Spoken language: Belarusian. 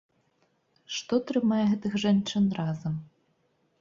Што трымае гэтых жанчын разам?